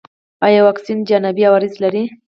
ایا واکسین جانبي عوارض لري؟